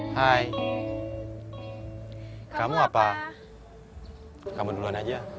hai kamu apa kamu duluan aja